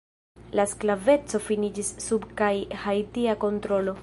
La sklaveco finiĝis sub kaj haitia kontrolo.